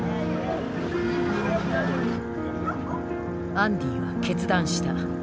アンディは決断した。